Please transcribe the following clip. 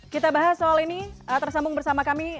kita bahas soal ini tersambung bersama kami